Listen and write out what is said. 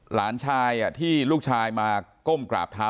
หลานชายที่ลูกชายมาก้มกราบเท้า